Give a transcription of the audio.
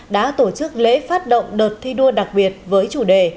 đã tổ chức lễ phát động đợt thi đua đặc biệt với chủ đề